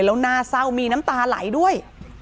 แล้วน่าเศร้ามีน้ำตาไหลด้วย